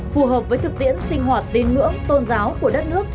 phù hợp với thực tiễn sinh hoạt tín ngưỡng tôn giáo của đất nước